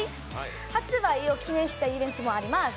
発売を記念したイベントもあります。